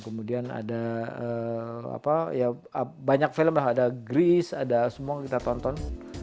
kemudian ada apa ya banyak film lah ada grease ada semua yang kita tonton